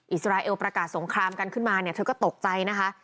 อิสราเอลประกาศสงครามกันขึ้นมาเนี่ยเธอก็ตกใจนะคะ